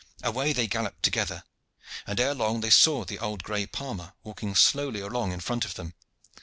Away they galloped together, and ere long they saw the old gray palmer walking slowly along in front of them.